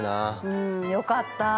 うんよかった。